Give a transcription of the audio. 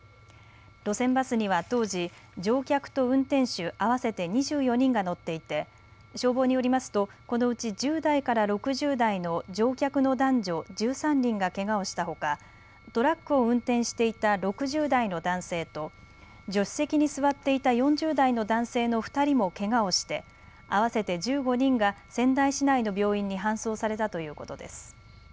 路線バスには当時、乗客と運転手合わせて２４人が乗っていて消防によりますとこのうち１０代から６０代の乗客の男女１３人がけがをしたほか、トラックを運転していた６０代の男性と助手席に座っていた４０代の男性の２人もけがをして合わせて１５人が仙台市内の病院に搬送されたということです。